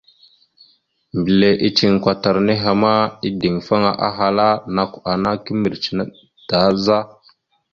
Mbile iceŋ kwatar nehe ma, ideŋfaŋa, ahala: « Nakw ana kimbirec naɗ da za? ».